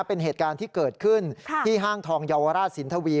เป็นเหตุการณ์ที่เกิดขึ้นที่ห้างทองเยาวราชสินทวี